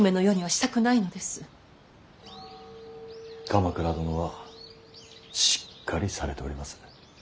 鎌倉殿はしっかりされております。